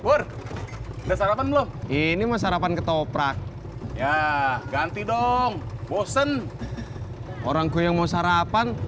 burr udah sarapan belum ini masalah panke toprak ya ganti dong bosen orang gue yang mau sarapan